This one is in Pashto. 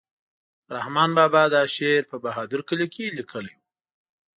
رحمان بابا دا شعر په بهادر کلي کې لیکلی و.